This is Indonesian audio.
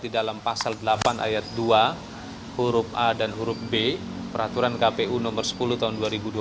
di dalam pasal delapan ayat dua huruf a dan huruf b peraturan kpu nomor sepuluh tahun dua ribu dua puluh